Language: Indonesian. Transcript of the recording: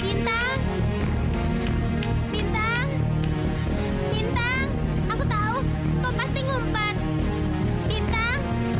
bintang bintang bukan ada di angkasa kan oh iya kata bukuru tetap di atas bangsung